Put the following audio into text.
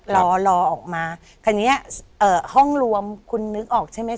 รอรอออกมาคราวนี้ห้องรวมคุณนึกออกใช่ไหม